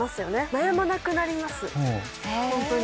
悩まなくなります本当に。